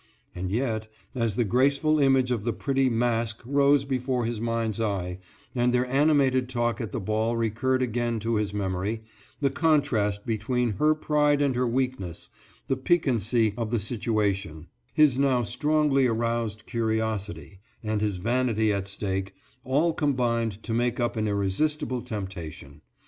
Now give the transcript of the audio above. And yet, as the graceful image of the pretty Mask rose before his mind's eye, and their animated talk at the ball recurred again to his memory, the contrast between her pride and her weakness, the piquancy of the situation, his now strongly aroused curiosity, and his vanity at stake, all combined to make up an irresistible temptation.